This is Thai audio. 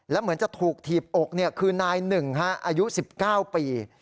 แล้วเหมือนจะถูกถีบอกคือนายหนึ่งอายุ๑๙ปี